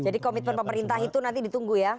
jadi komitmen pemerintah itu nanti ditunggu ya